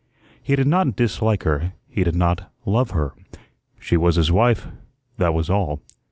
He did not dislike her; he did not love her. She was his wife, that was all.